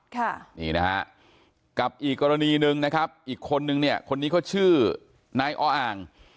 ค่ะนี่นะฮะกับอีกกรณีหนึ่งนะครับอีกคนนึงเนี่ยคนนี้เขาชื่อนายออ่าง